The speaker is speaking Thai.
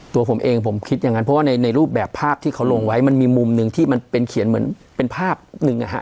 ตัวผมเองผมคิดอย่างนั้นเพราะว่าในรูปแบบภาพที่เขาลงไว้มันมีมุมหนึ่งที่มันเป็นเขียนเหมือนเป็นภาพหนึ่งนะฮะ